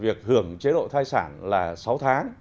về mức hưởng chế độ thai sản là sáu tháng